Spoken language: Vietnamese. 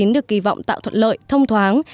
được kỳ vọng tạo thuận lợi thông thoáng